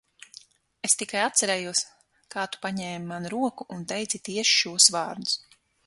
Es tikai atcerējos, kā tu paņēmi manu roku un teici tieši šos vārdus.